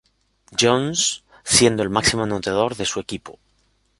John's, siendo el máximo anotador de su equipo.